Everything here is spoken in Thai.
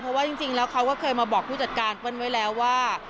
เพราะว่าจริงแล้วเขาก็เคยมาบอกผู้จัดการเปิ้ลไว้แล้วว่า